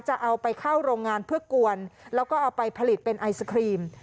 จะเอาไปเข้าโรงงานเพื่อกวนแล้วก็เอาไปผลิตเป็นไอศครีม